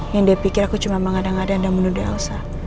yang dia pikir aku cuma mengadang adang dan menuduh elsa